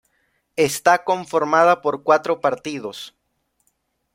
Está conformada por cuatro partidos.